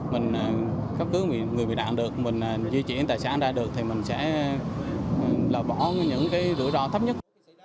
mình cứu người bị nạn được mình di chuyển tài sản ra được thì mình sẽ lỡ bỏ những rủi ro thấp nhất